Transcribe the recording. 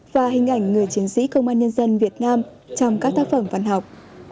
và hình ảnh người chiến sĩ công an nhân dân việt nam trong các tác phẩm văn học